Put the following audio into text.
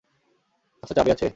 কাছে চাবি আছে?